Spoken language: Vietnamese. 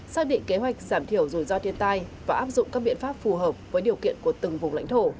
xác định kế hoạch giảm thiểu rủi ro thiên tai và áp dụng các biện pháp phù hợp với điều kiện của từng vùng lãnh thổ